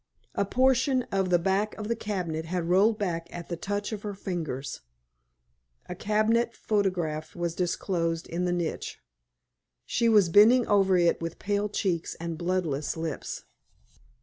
A portion of the back of the cabinet had rolled back at the touch of her fingers. A cabinet photograph was disclosed in the niche. She was bending over it with pale cheeks and bloodless lips.